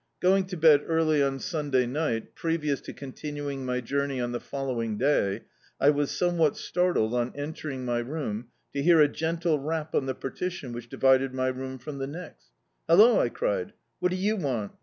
Going to bed early on Sunday ni^t, previous to continuing my journey on the following day, I was somewhat startled on entering my room, to hear a gentle rap on the partition which divided my room from the next. "Hallo!" I cried, "what do you want?"